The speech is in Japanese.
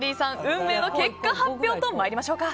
運命の結果発表と参りましょうか。